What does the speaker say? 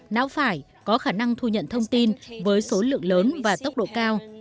não phải có khả năng thu nhận thông tin với số lượng lớn và tốc độ cao